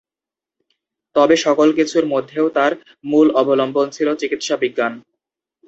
তবে সকল কিছুর মধ্যেও তাঁর মূল অবলম্বন ছিল চিকিৎসা বিজ্ঞান।